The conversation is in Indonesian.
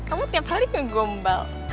kamu tiap hari ngegombal